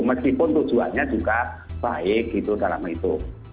meskipun tujuannya juga baik gitu dalam itu